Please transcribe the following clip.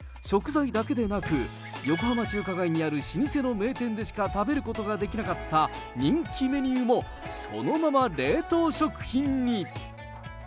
食材だけでなく、横浜中華街にある老舗の名店でしか食べることができなかった、人気メニューも、そのまま冷凍食品に。